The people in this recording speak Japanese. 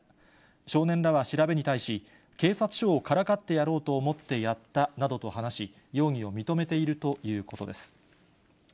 少年らは調べに対し、警察署をからかってやろうと思ってやったなどと話し、容疑を認めているということです。